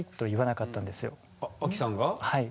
はい。